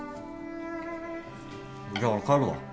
じゃ俺帰るわ。